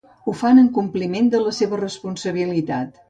Ho fan en compliment de la seva responsabilitat.